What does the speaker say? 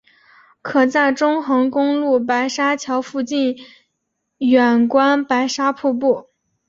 可在中横公路白沙桥附近远观白沙瀑布。